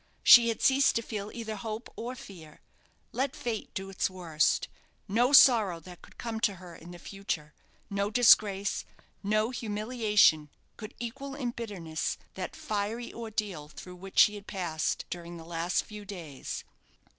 She had ceased to feel either hope or fear. Let fate do its worst. No sorrow that could come to her in the future, no disgrace, no humiliation, could equal in bitterness that fiery ordeal through which she had passed during the last few days.